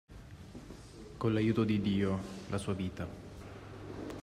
Con l'aiuto di Dio, la sua vita.